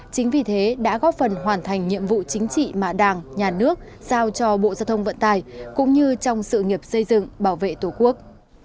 chính vì thế đã góp phần hoàn thành nhiệm vụ chính trị mà đảng nhà nước giao cho bộ giao thông vận tài cũng như trong sự nghiệp xây dựng bảo vệ tổ quốc